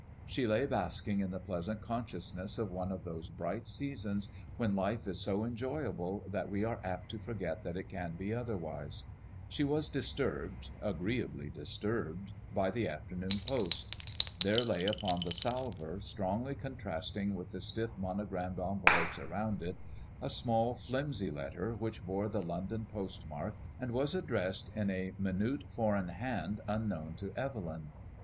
She lay basking in the pleasant consciousness of one of those bright seasons when life is so enjoyable that we are apt to forget that it can be otherwise. She was disturbed, agreeably disturbed, by the afternoon post. There lay upon the salver, strongly contrasting with the stiff monogramed envelopes around it, a small flimsy letter, which bore the London post mark, and was addressed in a minute foreign hand unknown to Bvel3m.